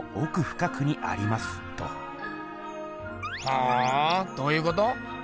ほおどういうこと？